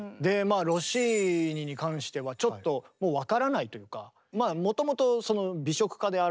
ロッシーニに関してはちょっともう分からないというか。